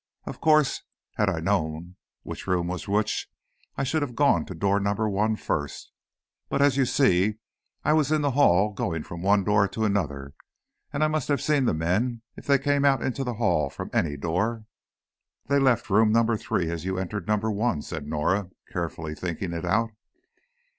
Of course, had I known which room was which, I should have gone to door number one first. But, as you see, I was in the hall, going from one door to another, and I must have seen the men if they came out into the hall from any door." "They left room number three, as you entered number one," said Norah, carefully thinking it out.